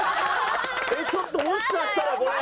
えっちょっともしかしたらこれ。